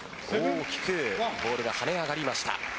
ボールが跳ね上がりました。